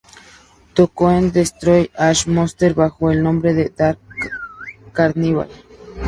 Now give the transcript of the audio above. Tocó con Destroy All Monsters, bajo el nombre de Dark Carnival.